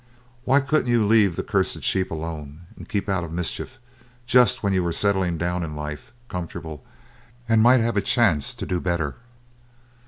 Why couldn't you leave the cursed sheep alone and keep out of mischief just when you were settling down in life comfortable, and might have a chance to do better.